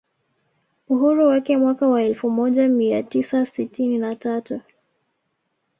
Uhuru wake mwaka wa elfu moja mia tisa sitini na tatu